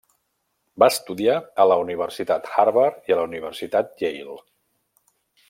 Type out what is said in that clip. Va estudiar a la Universitat Harvard i a la Universitat Yale.